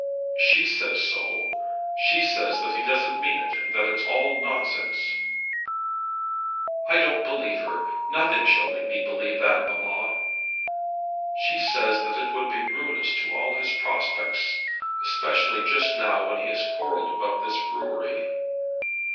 "She says so. She says that he doesn't mean it, and that it's all nonsense." "I don't believe her. Nothing shall make me believe that, mamma." "She says it would be ruinous to all his prospects, especially just now when he has quarrelled about this brewery."